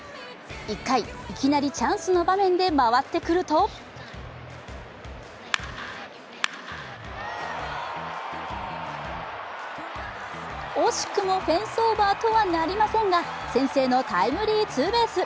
１回、いきなりチャンスの場面で回ってくると惜しくもフェンスオーバーとはなりませんが、先制のタイムリーツーベース。